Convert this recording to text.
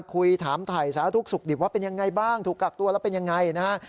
คุยถามถ่ายสาธุสุขดิบว่าเป็นยังไงบ้างถูกกักตัวแล้วเป็นยังไงนะฮะ